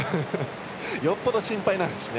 よっぽど心配なんですね。